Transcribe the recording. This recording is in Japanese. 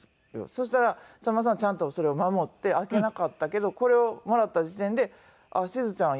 そしたらさんまさんはちゃんとそれを守って開けなかったけどこれをもらった時点であっしずちゃん